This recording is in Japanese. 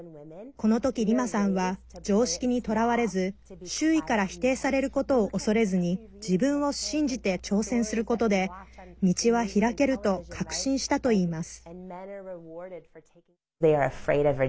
この時、リマさんは常識にとらわれず周囲から否定されることを恐れずに自分を信じて挑戦することで道は開けると確信したといいます。